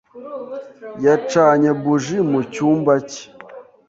Yacanye buji mu cyumba cye.